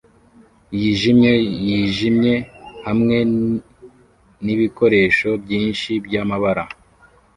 yijimye yijimye hamwe nibikoresho byinshi byamabara